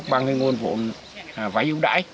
bằng nguồn vốn vái ưu đãi